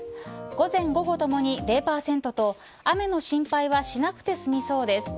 午前午後ともに０％と雨の心配はしなくて済みそうです。